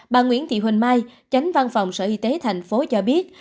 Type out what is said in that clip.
bà nguyễn thị huỳnh mai chánh văn phòng sở y tế tp hcm cho biết